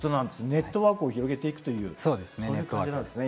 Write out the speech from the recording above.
ネットワークを広げていくというそういう感じなんですね